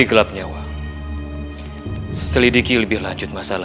jangan sampai kita menangkap mereka